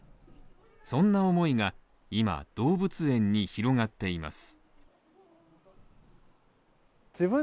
そんな思いが今、動物園に広がっています。